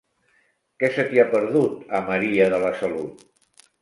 Què se t'hi ha perdut, a Maria de la Salut?